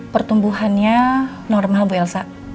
pertumbuhannya normal bu elsa